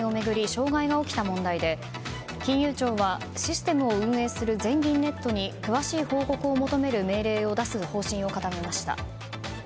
障害が起きた問題で金融庁はシステムを運営する全銀ネットに詳しい報告を求める命令を出す方針を固めました。